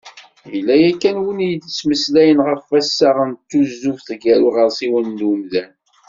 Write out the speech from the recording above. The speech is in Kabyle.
Yella yakan win d-yemmeslayen ɣef wassaɣ n tuzuft gar uɣersiw d umdan.